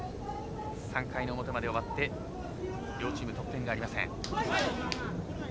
３回の表まで終わって両チーム、得点がありません。